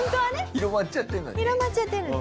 広まっちゃってるのに。